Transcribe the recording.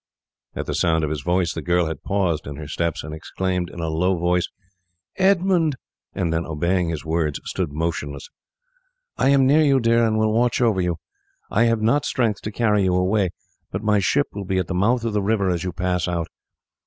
At the sound of his voice the girl had paused in her steps, and exclaimed in a low voice, "Edmund!" and then, obeying his words, stood motionless. "I am near you, dear, and will watch over you. I have not strength to carry you away; but my ship will be at the mouth of the river as you pass out.